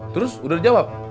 terus udah jawab